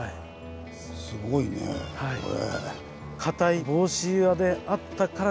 すごいねこれ。